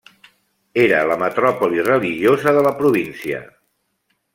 Era la metròpoli religiosa de la província.